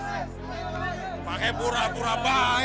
sudah sudah sudah sudah pak haji